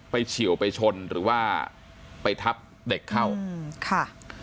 เฉียวไปชนหรือว่าไปทับเด็กเข้าค่ะ